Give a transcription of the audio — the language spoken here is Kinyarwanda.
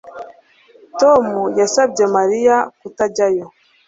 Tom yasabye Mariya kutajyayo